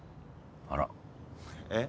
あらえっ？